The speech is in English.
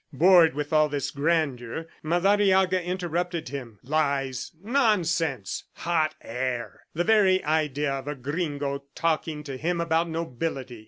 Bored with all this grandeur, Madariaga interrupted him. "Lies ... nonsense ... hot air!" The very idea of a gringo talking to him about nobility!